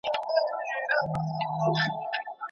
اقتصادي محدوديتونه د خلګو لپاره سخت دي.